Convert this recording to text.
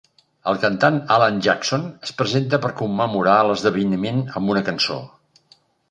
El cantant Alan Jackson es presenta per commemorar l'esdeveniment amb una cançó.